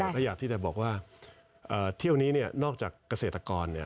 ก็อยากที่จะบอกว่าเที่ยวนี้นอกจากเกษตรกร